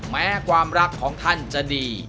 แม้ความรักของท่านจะดี